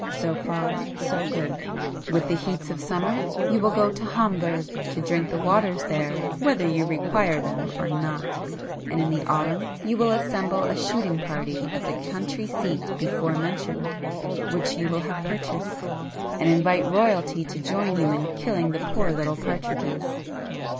So far, so good. With the heats of summer you will go to Homburg to drink the waters there whether you require them or not,—and in the autumn you will assemble a shooting party at the country seat before mentioned which you will have purchased, and [p 68] invite Royalty to join you in killing the poor little partridges.